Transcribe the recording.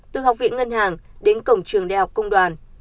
từ học viện ngân hàng đến cổng trường đại học công đoàn